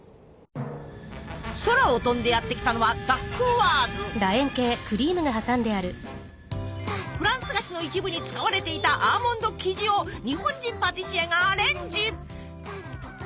空を飛んでやって来たのはフランス菓子の一部に使われていたアーモンド生地を日本人パティシエがアレンジ。